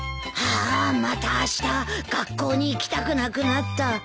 あまたあした学校に行きたくなくなった。